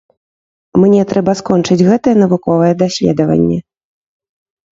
Мне трэба скончыць гэтае навуковае даследаванне.